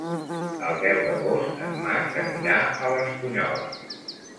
El deu d'agost en Max anirà a l'Espunyola.